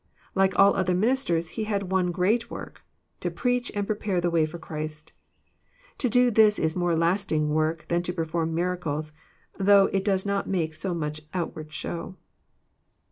Like all other ministers, he had one great work, — to preach, and prepare the way for Christ. To do this is more lasting work than to perform miracles, though it does not make so much outward show.